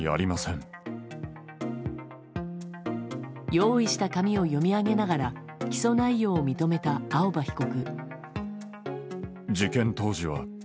用意した紙を読み上げながら起訴内容を認めた青葉被告。